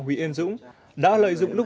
huyện yên dũng đã lợi dụng lúc